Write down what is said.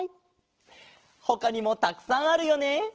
ほかにもたくさんあるよね。